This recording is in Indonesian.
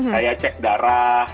kayak cek darah